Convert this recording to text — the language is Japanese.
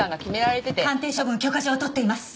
鑑定処分許可状はとっています。